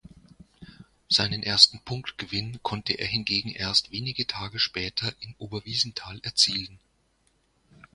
Seinen ersten Punktgewinn konnte er hingegen erst wenige Tage später in Oberwiesenthal erzielen.